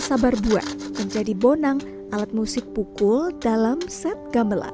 sabar buah menjadi bonang alat musik pukul dalam set gamelan